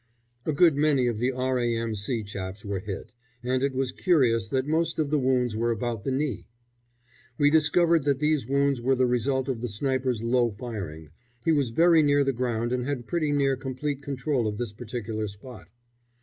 A good many of the R.A.M.C. chaps were hit, and it was curious that most of the wounds were about the knee. We discovered that these wounds were the result of the sniper's low firing he was very near the ground and had pretty nearly complete control of this particular spot.